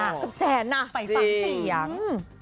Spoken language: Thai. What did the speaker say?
กับแสนอ่ะจริงไปฝังเสียง